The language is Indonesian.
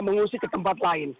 mengungsi ke tempat lain